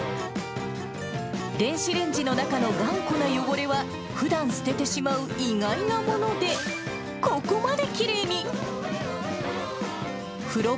電子レンジの中の頑固な汚れは、ふだん捨ててしまう意外なもので、ここまできれいに。